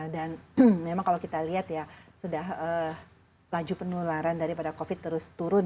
dan memang kalau kita lihat ya sudah laju penularan daripada covid sembilan belas terus turun